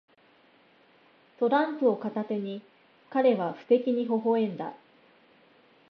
トランプを片手に、彼は不敵にほほ笑んだ。